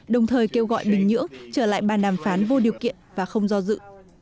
đồng thời kêu gọi bình nhưỡng trở lại bàn đàm phán vô điều kiện và không do dự